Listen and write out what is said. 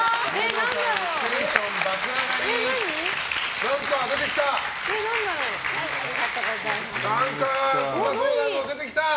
何か、うまそうなの出てきた！